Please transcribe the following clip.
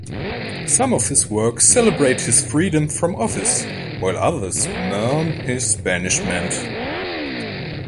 Some of his works celebrate his freedom from office, while others mourn his banishment.